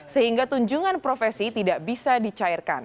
sehingga tunjungan profesi tidak bisa dicairkan